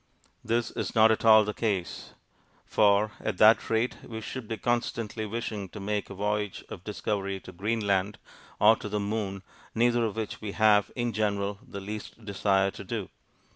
This is not at all the case; for at that rate we should be constantly wishing to make a voyage of discovery to Greenland or to the Moon, neither of which we have, in general, the least desire to do.